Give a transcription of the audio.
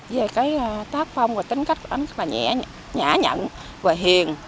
về cái tác phong và tính cách anh úc là nhẹ nhận và hiền